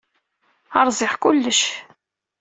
Rẓiɣ kullec.